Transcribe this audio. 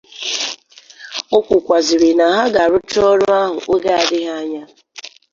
o kwukwazịrị na ha ga-arụcha ọrụ ahụ oge adịghị anya